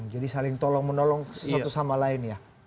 jadi saling tolong menolong sesuatu sama lain ya